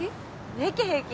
平気平気